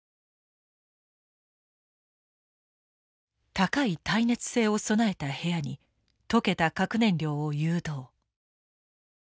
高い耐熱性を備えた部屋に溶けた核燃料を誘導。